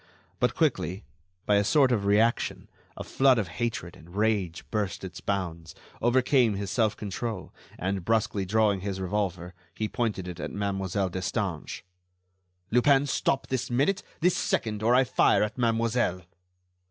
But quickly, by a sort of reaction, a flood of hatred and rage burst its bounds, overcame his self control, and, brusquely drawing his revolver, he pointed it at Mademoiselle Destange. "Lupin, stop, this minute, this second, or I fire at mademoiselle."